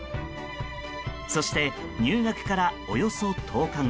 そして入学からおよそ１０日後。